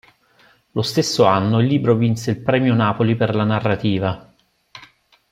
Lo stesso anno il libro vinse il Premio Napoli per la narrativa.